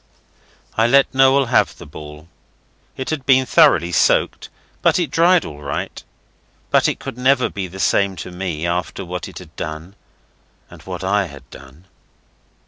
I let Noel have the ball. It had been thoroughly soaked, but it dried all right. But it could never be the same to me after what it had done and what I had done.